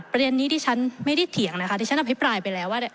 ประเด็นนี้ที่ฉันไม่ได้เถียงนะคะที่ฉันอภิปรายไปแล้วว่า